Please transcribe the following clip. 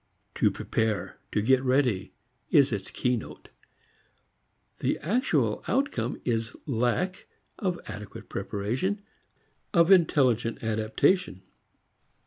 To prepare, to get ready, is its key note. The actual outcome is lack of adequate preparation, of intelligent adaptation.